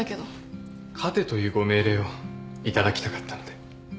勝てというご命令を頂きたかったので。